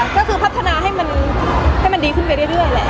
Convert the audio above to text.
ก็คือพัฒนาให้มันดีขึ้นไปเรื่อยแหละ